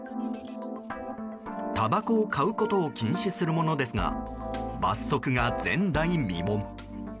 たばこを買うことを禁止するものですが罰則が前代未聞。